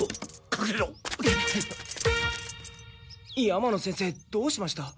山野先生どうしました？